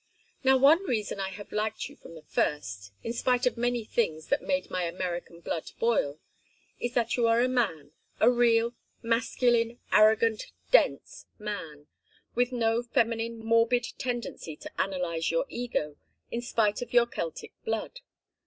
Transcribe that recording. Now, one reason I have liked you from the first, in spite of many things that made my American blood boil, is that you are a man, a real masculine arrogant dense man, with no feminine morbid tendency to analyze your ego, in spite of your Celtic blood.